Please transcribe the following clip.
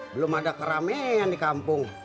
belum ada keramaian di kampung